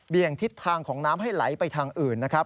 ทิศทางของน้ำให้ไหลไปทางอื่นนะครับ